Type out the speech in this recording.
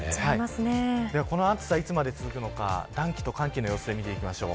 では、この暑さいつまで続くのか暖気と寒気の様子で見ていきましょう。